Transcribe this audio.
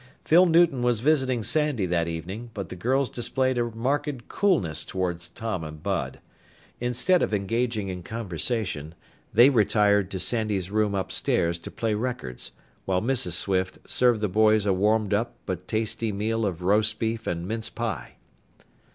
Phyl Newton was visiting Sandy that evening, but the girls displayed a marked coolness toward Tom and Bud. Instead of engaging in conversation, they retired to Sandy's room upstairs to play records, while Mrs. Swift served the boys a warmed up but tasty meal of roast beef and mince pie.